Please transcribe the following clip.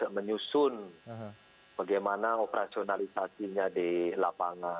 menyusun bagaimana operasionalisasinya di lapangan